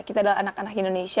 kita adalah anak anak indonesia